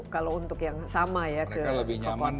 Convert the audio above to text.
kalau untuk yang sama ya ke papua